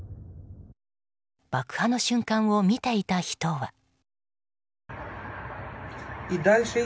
爆破の瞬間を見ていた人は。